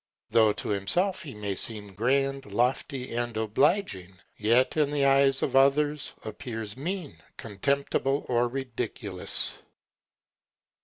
though to himself he may seem grand, lofty, or obliging, yet in the eyes of others appears mean, contemptible, or ridiculous.